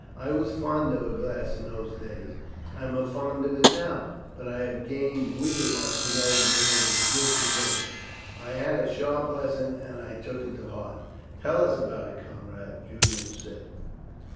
I was fond of a glass in those days; I am fond of it now, but I have gained wit enough to know when it is good to drink. I had a sharp lesson, and I took it to heart." "Tell us about it, comrade," Julian said.